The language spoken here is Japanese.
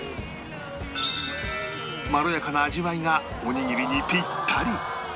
まろやかな味わいがおにぎりにピッタリ